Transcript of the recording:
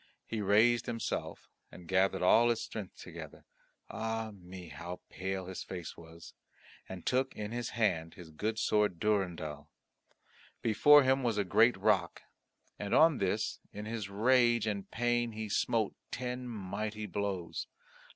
He raised himself and gathered all his strength together ah me! how pale his face was! and took in his hand his good sword Durendal. Before him was a great rock and on this in his rage and pain he smote ten mighty blows.